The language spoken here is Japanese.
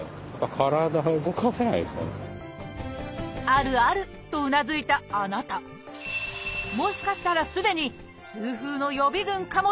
「あるある！」とうなずいたあなたもしかしたらすでに痛風の予備群かもしれません。